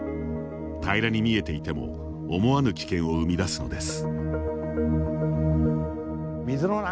平らに見えていても思わぬ危険を生み出すのです。